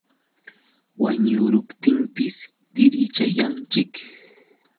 Wañuruptinpis dirichayanchik.